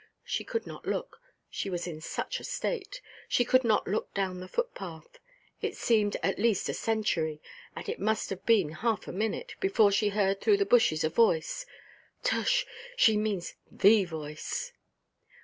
She could not look, she was in such a state; she could not look down the footpath. It seemed, at least, a century, and it may have been half a minute, before she heard through the bushes a voice—tush, she means the voice.